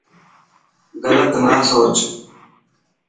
گلت نا سوچ.